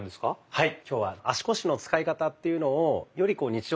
はい。